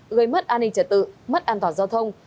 gây mất an ninh trật tự mất an toàn giao thông